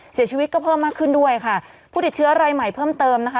เสียชีวิตก็เพิ่มมากขึ้นด้วยค่ะผู้ติดเชื้อรายใหม่เพิ่มเติมนะคะ